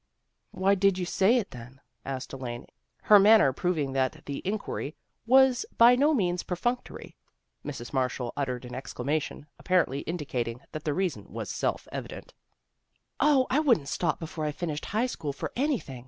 " Why did you say it, then? " asked Elaine, her manner proving that the inquiry was by no means perfunctory. Mrs. Marshall uttered an exclamation, apparently indicating that the reason was self evident. " 0, I wouldn't stop before I finished high school for anything.